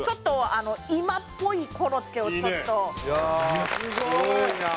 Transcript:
いやあすごいな！